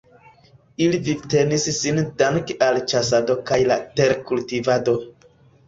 Ili vivtenis sin danke al ĉasado kaj la terkultivado.